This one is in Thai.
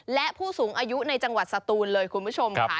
และผู้สูงอายุในจังหวัดสตูนเลยคุณผู้ชมค่ะ